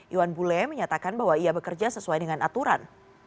iwan bule menyatakan bahwa ia bekerja sesuai dengan aturan